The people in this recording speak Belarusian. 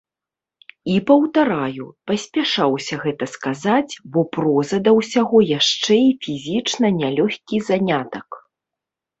І, паўтараю, паспяшаўся гэта сказаць, бо проза, да ўсяго, яшчэ і фізічна нялёгкі занятак.